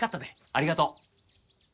ありがとう。